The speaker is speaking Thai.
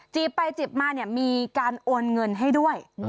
ไปจีบมาเนี่ยมีการโอนเงินให้ด้วย